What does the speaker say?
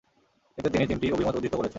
এতে তিনি তিনটি অভিমত উদ্ধৃত করেছেন।